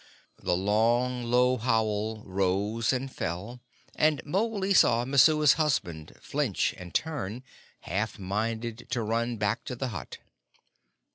The long, low howl rose and fell, and Mowgli saw Messua's husband flinch and turn, half minded to run back to the hut.